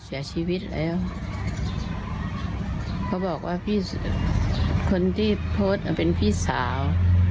เสียชีวิตแล้วเขาบอกว่าพี่คนที่โพสต์เป็นพี่สาว